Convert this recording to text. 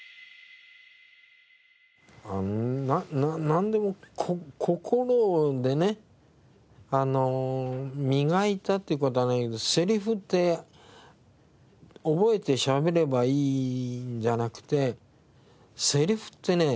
なんでも心でねあの磨いたっていう事はないけどセリフって覚えてしゃべればいいんじゃなくてセリフってね